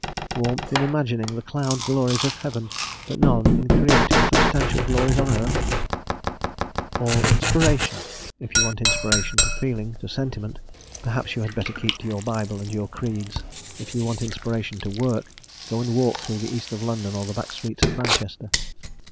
Warmth in imagining the cloud glories of heaven, but none in creating substantial glories on earth? "All inspiration?" If you want inspiration to feeling, to sentiment, perhaps you had better keep to your Bible and your creeds; if you want inspiration to work, go and walk through the east of London, or the back streets of Manchester.